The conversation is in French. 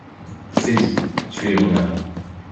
C’est dit, tu es mon amant.